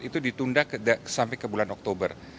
itu ditunda sampai ke bulan oktober